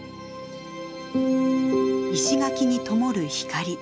石垣にともる光。